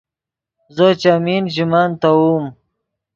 زو چیمین ژے مَنۡ تیووم